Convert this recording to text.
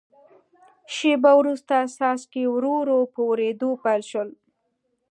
شیبه وروسته څاڅکي ورو ورو په ورېدو پیل شول.